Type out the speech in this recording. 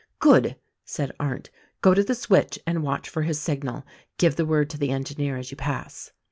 "Good!" said Arndt. "Go to the switch and watch for his signal — give the word to the engineer as you pass."